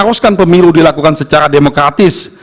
haruskan pemilu dilakukan secara demokratis